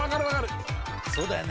「そうだよね。